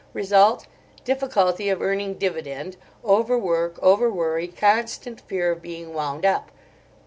Result: difficulty of earning dividend, over work, over worry, constant fear of being wound up.